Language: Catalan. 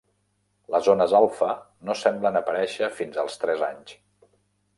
Les ones alfa no semblen aparèixer fins als tres anys.